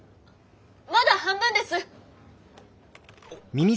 まだ半分です！